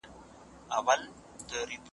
دا منابع په يوه سمه لار سوق سوي دي.